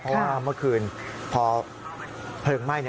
เพราะว่าเมื่อคืนพอเพลิงไหม้